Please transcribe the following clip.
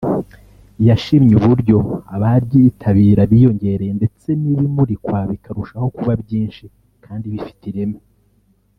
yashimye uburyo abaryitabira biyongereye ndetse n’ibimurikwa bikarushaho kuba byinshi kandi bifite ireme